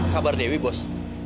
kabar dewi bos